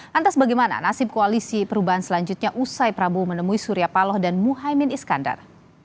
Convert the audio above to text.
lantas bagaimana nasib koalisi perubahan selanjutnya usai prabowo menemui surya paloh dan muhaymin iskandar